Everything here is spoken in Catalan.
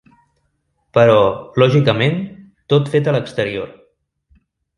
Però, lògicament, tot fet a l’exterior.